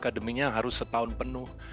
akademinya harus setahun penuh